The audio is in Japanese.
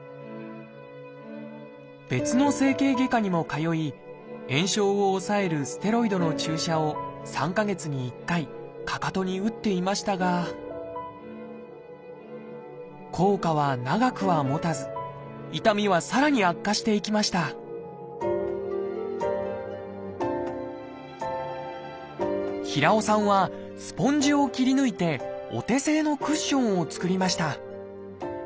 別の整形外科にも通い炎症を抑えるステロイドの注射を３か月に１回かかとに打っていましたが効果は長くはもたず痛みはさらに悪化していきました平尾さんはスポンジを切り抜いてお手製のクッションを作りました。